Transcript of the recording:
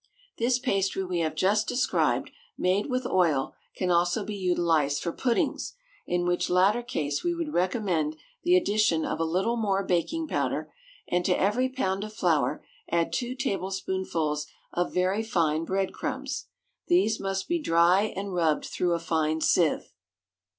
This pastry we have just described, made with oil, can also be utilised for puddings, in which latter case we would recommend the addition of a little more baking powder, and to every pound of flour add two tablespoonfuls of very fine bread crumbs. These must be dry, and rubbed through a fine sieve.